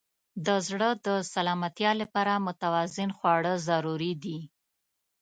د زړه د سلامتیا لپاره متوازن خواړه ضروري دي.